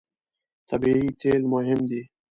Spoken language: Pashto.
طبیعي تېل مهم دي.